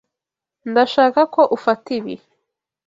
Ndashaka ko ufata ibi.